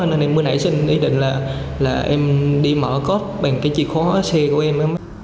nên em mới nảy xin ý định là em đi mở cốp bằng cái chìa khóa xe của em